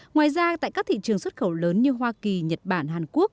ngoài ra tại các thị trường xuất khẩu lớn như hoa kỳ nhật bản hàn quốc